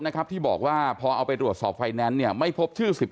นะครับที่บอกว่าพอเอาไปตรวจสอบไฟแนนซ์เนี่ยไม่พบชื่อ๑๐